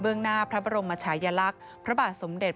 หน้าพระบรมชายลักษณ์พระบาทสมเด็จ